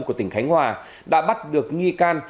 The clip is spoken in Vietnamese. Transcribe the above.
của tỉnh khánh hòa đã bắt được nghi can